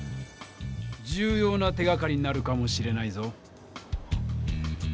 重ような手がかりになるかもしれないぞ。